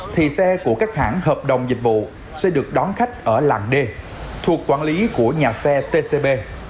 thì xe của các hãng hợp đồng dịch vụ sẽ được đón khách ở làng d thuộc quản lý của nhà xe tcb